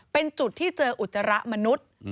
เป็นจุดที่เจออุจจาระมนุษย์